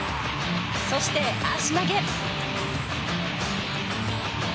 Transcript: そして足投げ。